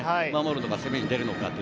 守るのか、攻めに出るのか？